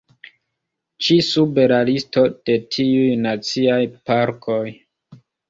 Ĉi sube la listo de tiuj naciaj parkoj.